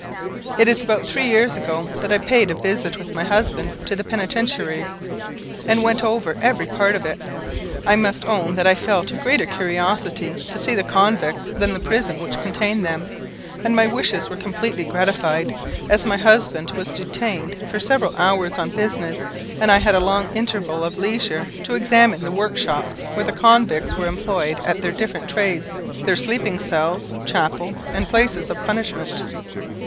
It is about three years ago that I paid a visit with my husband to the Penitentiary, and went over every part of it. I must own that I felt a greater curiosity to see the convicts than the prison which contained them, and my wishes were completely gratified, as my husband was detained for several hours on business, and I had a long interval of leisure to examine the workshops, where the convicts were employed at their different trades, their sleeping cells, chapel, and places of punishment.